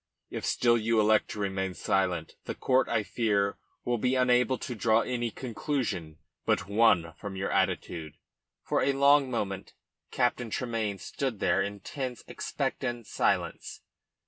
If still you elect to remain silent, the court, I fear, will be unable to draw any conclusion but one from your attitude." For a long moment Captain Tremayne stood there in tense, expectant silence.